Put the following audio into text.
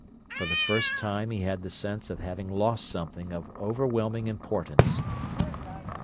For the first time he had the sense of having lost something of overwhelming importance.